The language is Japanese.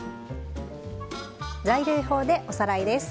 材料表でおさらいです。